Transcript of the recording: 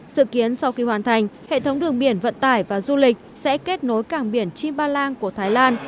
sự kiến sau khi hoàn thành hệ thống đường biển vận tải và du lịch sẽ kết nối cảng biển chimbalang của thái lan